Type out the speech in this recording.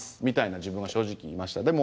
みたいな自分が正直いました。